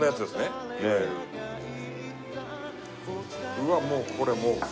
うわもうこれもう。